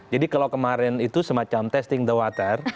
jadi kalau kemarin itu semacam testing the water